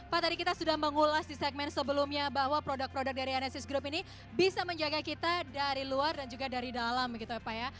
pak tadi kita sudah mengulas di segmen sebelumnya bahwa produk produk dari nsis group ini bisa menjaga kita dari luar dan juga dari dalam gitu ya pak ya